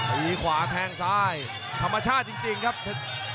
อันนี้ความแทงซ้ายธรรมชาติจริงครับเพชรประกาศ